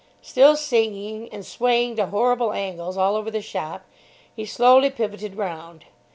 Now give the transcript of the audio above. Still singing, and swaying to horrible angles all over the shop, he slowly pivoted round.